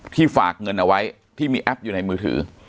ฝากเงินเอาไว้ที่มีแอปอยู่ในมือถือ